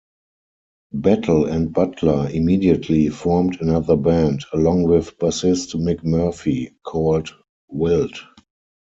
Battle and Butler immediately formed another band, along with bassist Mick Murphy, called Wilt.